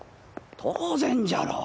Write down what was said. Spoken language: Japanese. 当然じゃろう。